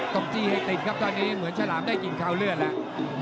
จี้ให้ติดครับตอนนี้เหมือนฉลามได้กลิ่นคาวเลือดแล้ว